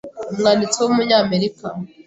Umwanditsi w’umunya America